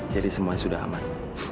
jadi semuanya sudah aman